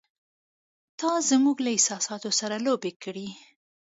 “تا زموږ له احساساتو سره لوبې کړې!